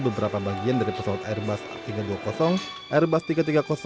bagian helikopter yang berbeda dengan helikopter yang berbeda dengan helikopter yang berbeda dengan helikopter